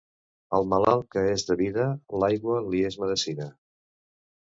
Al malalt que és de vida, l'aigua li és medecina.